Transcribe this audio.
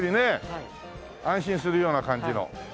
安心するような感じの。